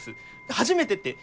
「初めて」って。